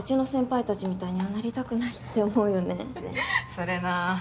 それな。